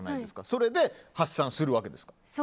それで発散するわけですか。